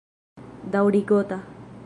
Daŭrigota.